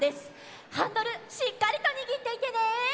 ハンドルしっかりとにぎっていてね！